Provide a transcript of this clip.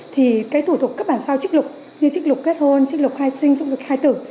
thì cái thủ tục cấp bản sao chức lục như chức lục kết hôn chức lục khai sinh chức lục khai tử